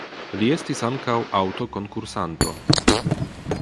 Li estis ankaŭ aŭtokonkursanto.